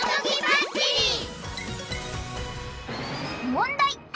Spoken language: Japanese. もんだい！